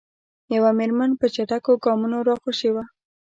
یوه میرمن په چټکو ګامونو راخوشې وه.